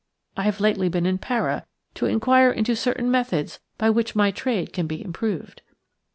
I have lately been in Para to inquire into certain methods by which my trade can be improved."